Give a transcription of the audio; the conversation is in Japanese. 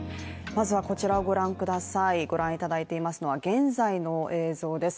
まずはこちらをご覧くださいご覧いただいていますのは現在の映像です。